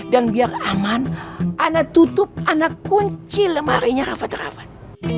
dan biar aman ana tutup ana kunci lemarinya rafat rafat